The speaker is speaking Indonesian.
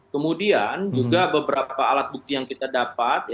kemudian juga beberapa alat bukti yang kita dapat